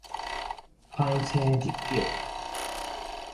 歹星入境